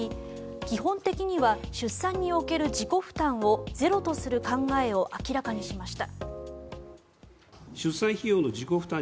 基本的には出産における自己負担をゼロとする考えを明らかにしました。